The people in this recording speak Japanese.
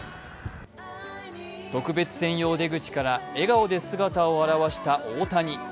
特別専用出口から笑顔で姿を現した大谷。